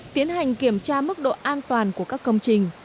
tiến hành kiểm tra mức độ an toàn của các công trình